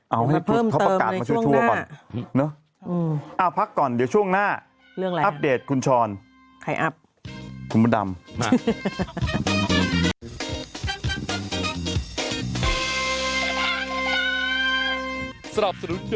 เอาให้พี่พบประกาศมาช่วยช่วยก่อนเอาพักก่อนเดี๋ยวช่วงหน้าอัพเดทคุณชรคุณบดำ